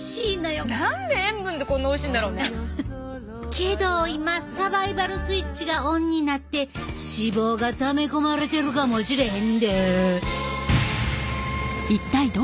けど今サバイバル・スイッチがオンになって脂肪がため込まれてるかもしれへんで。